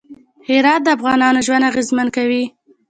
هرات د افغانانو ژوند اغېزمن کوي.